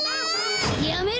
・やめろ！